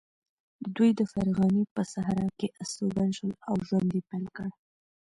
دوی د فرغانې په صحرا کې استوګن شول او ژوند یې پیل کړ.